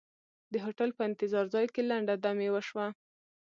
د هوټل په انتظار ځای کې لنډه دمې وشوه.